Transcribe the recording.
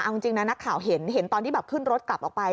เอาจริงนะนักข่าวเห็นตอนที่แบบขึ้นรถกลับออกไป